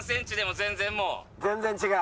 全然違う？